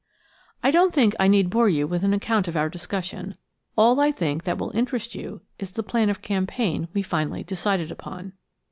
I don't think I need bore you with an account of our discussion; all, I think, that will interest you is the plan of campaign we finally decided upon.